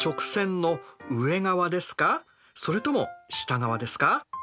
それとも下側ですか？